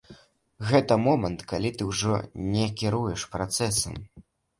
Гэта момант, калі ты ўжо не кіруеш працэсам.